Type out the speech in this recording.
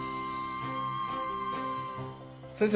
先生